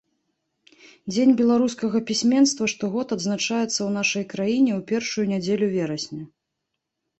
Дзень беларускага пісьменства штогод адзначаецца ў нашай краіне ў першую нядзелю верасня.